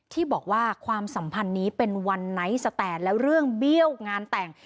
ที่บอกว่าความสัมพันธ์นี้เป็นวันไนท์สแตนแล้วเรื่องเบี้ยวงานแต่ง